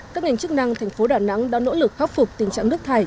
các ngành chức năng thành phố đà nẵng đã nỗ lực khắc phục tình trạng nước thải